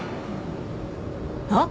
あっ！